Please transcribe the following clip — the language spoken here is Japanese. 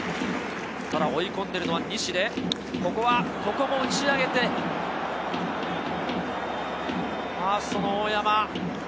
追い込んでいるのは西で、ここも打ち上げてファーストの大山。